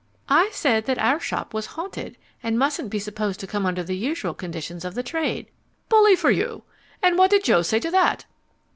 "I said that our shop was haunted, and mustn't be supposed to come under the usual conditions of the trade." "Bully for you! And what did Joe say to that?"